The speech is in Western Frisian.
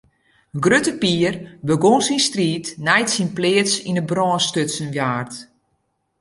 Grutte Pier begûn syn striid nei't syn pleats yn 'e brân stutsen waard.